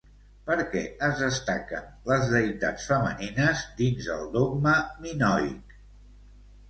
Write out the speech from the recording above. Per què es destaquen les deïtats femenines dins el dogma minoic?